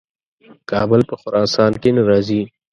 کابل په خراسان کې نه راځي.